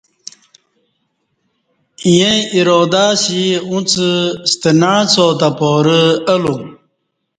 ییں ارادہ اسی اُݩڅ ستہ نع څا تہ پارہ الوم